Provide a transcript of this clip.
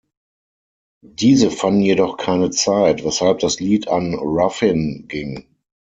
Diese fanden jedoch keine Zeit, weshalb das Lied an Ruffin ging.